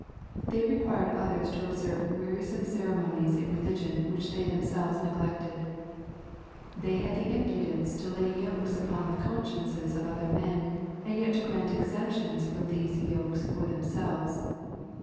They required others to observe wearisome ceremonies in religion which they themselves neglected. They had the impudence to lay yokes upon the consciences of other men, and yet to grant exemptions from these yokes for themselves.